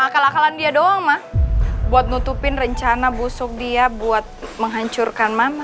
akal akalan dia doang mah buat nutupin rencana busuk dia buat menghancurkan mama